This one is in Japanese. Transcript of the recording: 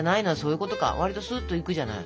割とすっといくじゃない。